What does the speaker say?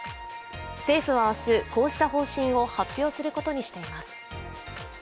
政府は明日、こうした方針を発表することにしています。